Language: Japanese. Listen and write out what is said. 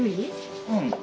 うん。